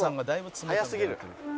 速すぎる。